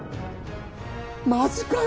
マジかよ